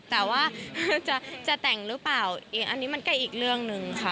แต่ว่าจะแต่งหรือเปล่าเองอันนี้มันก็อีกเรื่องหนึ่งค่ะ